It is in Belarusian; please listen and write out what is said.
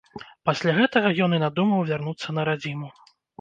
Пасля гэтага ён і надумаў вярнуцца на радзіму.